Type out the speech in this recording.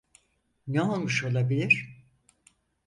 Ne olmuş olabilir?